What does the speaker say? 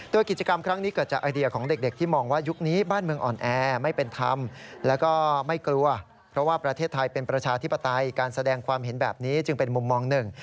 โดยกิจกรรมครั้งนี้เกิดจากไอเดียของเด็กที่มองว่ายุคนี้บ้านเมืองอ่อนแอไม่เป็นธรรมแล้วก็ไม่กลัวเพราะว่าประเทศไทยเป็นประชาธิปไตยการแสดงความเห็นแบบนี้จึงเป็นมุมมองหนึ่ง